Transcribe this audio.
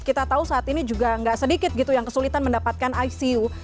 kita tahu saat ini juga nggak sedikit gitu yang kesulitan mendapatkan icu